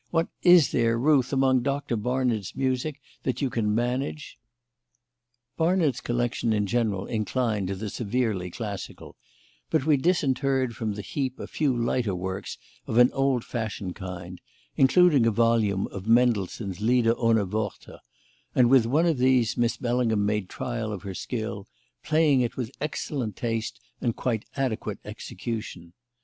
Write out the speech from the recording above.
What is there, Ruth, among Doctor Barnard's music that you can manage?" Barnard's collection in general inclined to the severely classical, but we disinterred from the heap a few lighter works of an old fashioned kind, including a volume of Mendelssohn's Lieder ohne Worte, and with one of these Miss Bellingham made trial of her skill, playing it with excellent taste and quite adequate execution.